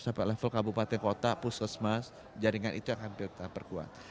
sampai level kabupaten kota puskesmas jaringan itu akan kita perkuat